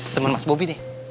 temen mas bopi nih